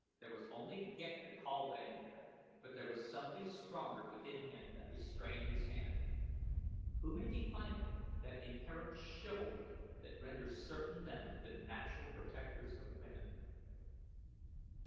There was only Ghek the kaldane there, but there was something stronger within him that restrained his hand. Who may define it that inherent chivalry that renders certain men the natural protectors of women?